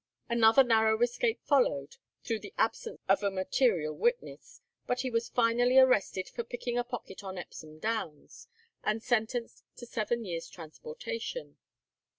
Another narrow escape followed, through the absence of a material witness; but he was finally arrested for picking a pocket on Epsom Downs, and sentenced to seven years' transportation.